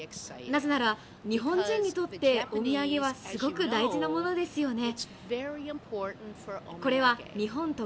なぜなら日本人にとってお土産はすごく大事なものですよね。